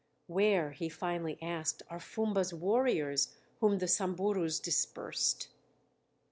"Where," he finally asked, "are Fumba's warriors whom the Samburus dispersed?"